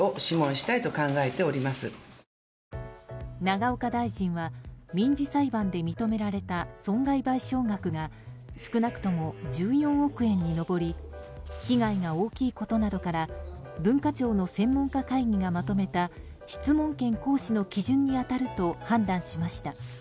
永岡大臣は民事裁判で認められた損害賠償額が少なくとも１４億円に上り被害が大きいことなどから文化庁の専門家会議がまとめた質問権行使の基準に当たると判断しました。